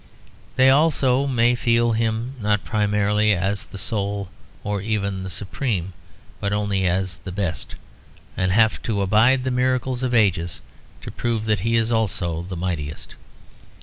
They also may feel him not primarily as the sole or even the supreme but only as the best; and have to abide the miracles of ages to prove that he is also the mightiest.